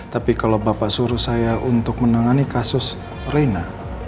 tapi kalau bapak suruh saya untuk menangani kasus reina